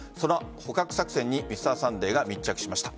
捕獲作戦に「Ｍｒ．サンデー」が密着しました。